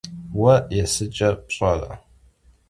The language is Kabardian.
Vue yêsıç'e pş'ere?